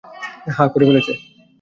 হ্যাঁ, করে ফেলেছে।